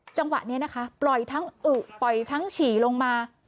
จังหวะนี้นะคะปล่อยทั้งอึปล่อยทั้งฉี่ลงมา